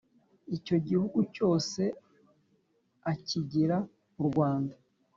icyo gihugu cyose akigira u rwanda.